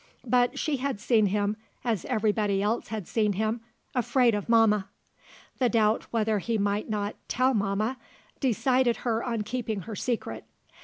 But she had seen him, as everybody else had seen him, "afraid of mamma." The doubt whether he might not "tell mamma," decided her on keeping her secret.